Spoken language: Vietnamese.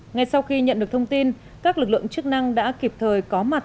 ngay sau khi nhận được thông tin các lực lượng chức năng đã kịp thời có mặt